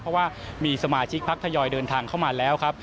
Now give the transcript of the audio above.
เพราะว่ามีสมาชิกพักทยอยเดินทางเข้ามาแล้วครับ